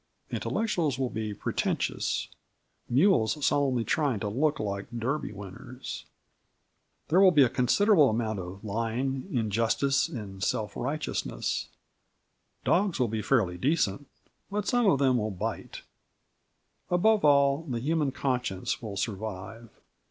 Intellectuals will be pretentious mules solemnly trying to look like Derby winners. There will be a considerable amount of lying, injustice, and self righteousness. Dogs will be fairly decent, but some of them will bite. Above all, the human conscience will survive.